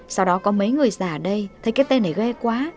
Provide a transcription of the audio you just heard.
sau đó có mấy người già ở đây thấy cái tên này ghê quá